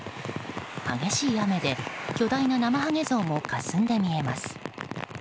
激しい雨で巨大ななまはげ像もかすんで見えます。